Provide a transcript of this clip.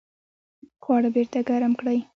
خواړه بیرته ګرم کړئ